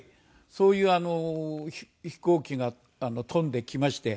そういう飛行機が飛んできまして。